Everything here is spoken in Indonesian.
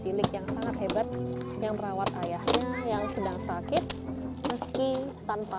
cilik yang sangat hebat yang merawat ayahnya yang sedang sakit meski tanpa